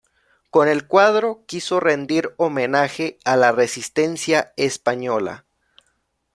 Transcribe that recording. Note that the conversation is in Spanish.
Con el cuadro quiso rendir homenaje a la resistencia española.